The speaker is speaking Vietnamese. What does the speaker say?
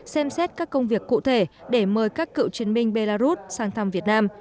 xem xét các công việc cụ thể để mời các cựu chiến binh belarus sang thăm việt nam